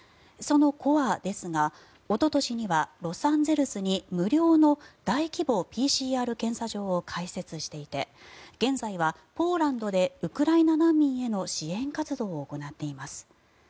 そのＣＯＲＥですがおととしにはロサンゼルスに無料の大規模ＰＣＲ検査場を開設していて現在はポーランドでウクライナ難民への支援活動を行っています。